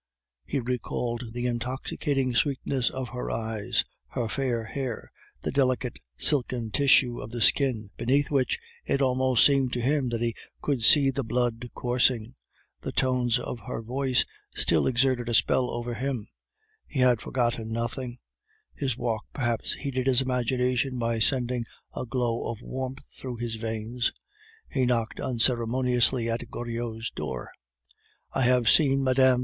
He recalled the intoxicating sweetness of her eyes, her fair hair, the delicate silken tissue of the skin, beneath which it almost seemed to him that he could see the blood coursing; the tones of her voice still exerted a spell over him; he had forgotten nothing; his walk perhaps heated his imagination by sending a glow of warmth through his veins. He knocked unceremoniously at Goriot's door. "I have seen Mme.